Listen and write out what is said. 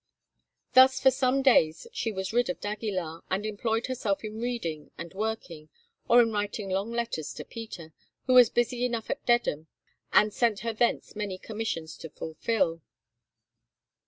Thus for some days she was rid of d'Aguilar, and employed herself in reading and working, or in writing long letters to Peter, who was busy enough at Dedham, and sent her thence many commissions to fulfil.